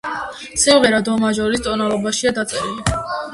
სიმღერა დო მაჟორის ტონალობაშია დაწერილი.